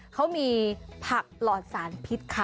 เขามีผักหลอดสารพิษค่ะ